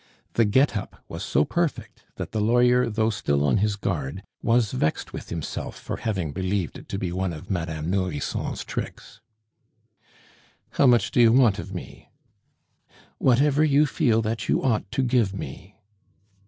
The get up was so perfect that the lawyer, though still on his guard, was vexed with himself for having believed it to be one of Madame Nourrisson's tricks. "How much to you want of me?" "Whatever you feel that you ought to give me."